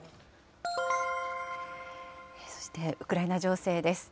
そしてウクライナ情勢です。